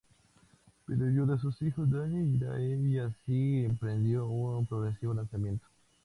Pidió ayuda a sus hijos Danny y Dae, y así emprendió un progresivo relanzamiento.